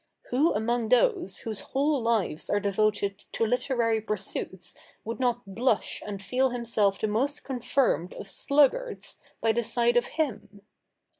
Who among those whose whole lives are devoted to literary pursuits would not blush and feel himself the most confirmed of sluggards by the side of him?